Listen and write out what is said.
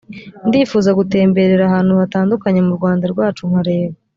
ndifuza gutemberera ahantu hatandukanye mu rwanda rwacu nkareba